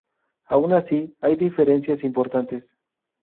Aun así, hay diferencias importantes.